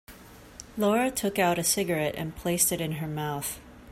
Laura took out a cigarette and placed it in her mouth.